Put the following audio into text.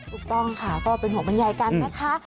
ถูกต้องค่ะก็เป็นห่วงบรรยายกันนะคะ